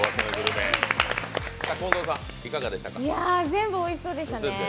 全部おいしそうでしたね。